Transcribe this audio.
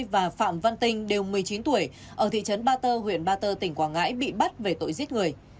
và phạm văn tinh đều một mươi chín tuổi ở thị trấn ba tơ huyện ba tơ tỉnh quảng ngãi bị bắt về tội giết người